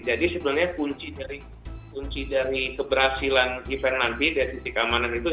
jadi sebenarnya kunci dari keberhasilan event nanti dari sisi keamanan itu